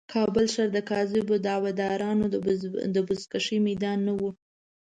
کابل ښار د کاذبو دعوه دارانو د بزکشې میدان نه و.